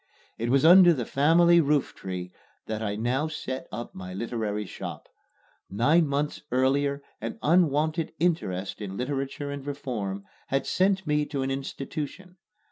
It was under the family rooftree that I now set up my literary shop. Nine months earlier an unwonted interest in literature and reform had sent me to an institution.